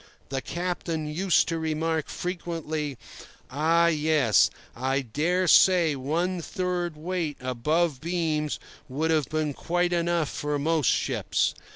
The captain used to remark frequently: "Ah, yes; I dare say one third weight above beams would have been quite enough for most ships.